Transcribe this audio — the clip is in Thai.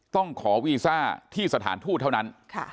ต้องขอวีซ่าที่สถานทูตเท่านั้น